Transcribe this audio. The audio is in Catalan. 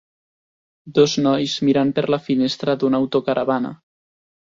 Dos nois mirant per la finestra d'una autocaravana.